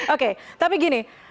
oke tapi gini